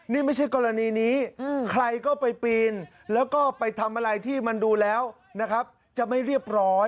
นี่ไม่ใช่กรณีนี้ใครก็ไปปีนแล้วก็ไปทำอะไรที่มันดูแล้วนะครับจะไม่เรียบร้อย